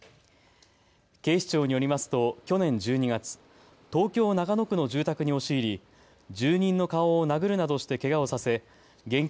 警視庁によりますと去年１２月、東京中野区の住宅に押し入り住人の顔を殴るなどしてけがをさせ現金